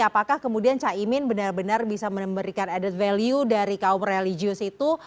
apakah kemudian caimin benar benar bisa memberikan added value dari kaum religius itu